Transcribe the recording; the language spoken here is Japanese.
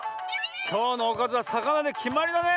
きょうのおかずはさかなできまりだね。